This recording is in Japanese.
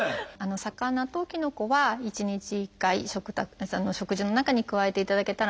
魚ときのこは１日１回食事の中に加えていただけたらなと思います。